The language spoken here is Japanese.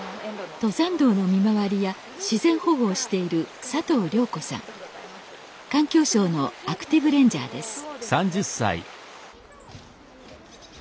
登山道の見回りや自然保護をしている環境省のアクティブ・レンジャーです